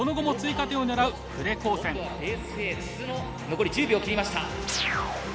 残り１０秒を切りました。